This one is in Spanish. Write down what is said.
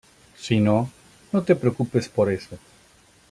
Si no, no te preocupes por eso.